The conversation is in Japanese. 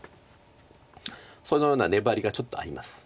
そのような粘りがちょっとあります。